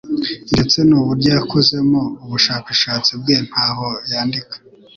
ndetse n'uburyo yakozemo ubushakashatsi bwe ntaho yandika.